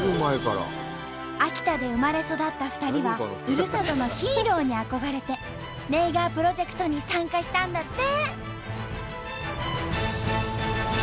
秋田で生まれ育った２人はふるさとのヒーローに憧れてネイガープロジェクトに参加したんだって！